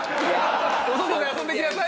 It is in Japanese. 「お外で遊んできなさい」。